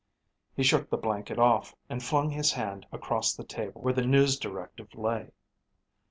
He shook the blanket off and flung his hand across the table where the news directive lay.